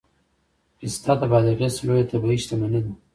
پسته د بادغیس لویه طبیعي شتمني ده